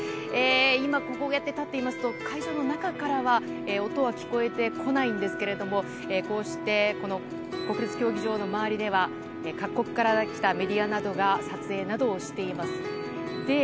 今、こうやって立ってますと会場の中からは音は聞こえてこないんですがこうして、国立競技場の周りでは各国から来たメディアなどが撮影などをしています。